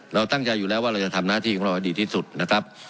เราตั้งใจอยู่แล้วว่าเราจะทำหน้าที่ของเราให้ดีที่สุดนะครับ